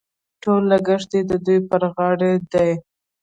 ټول لګښت یې د دوی پر غاړه دي.